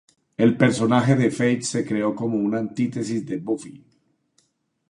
El personaje de Faith se creó como una antítesis de Buffy.